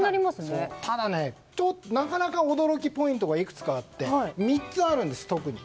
ただ、なかなか驚きポイントがあって３つあるんです特に。